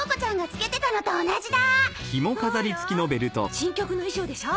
新曲の衣装でしょ？